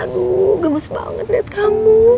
aduh gemes banget lihat kamu